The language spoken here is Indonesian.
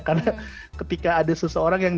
karena ketika ada seseorang yang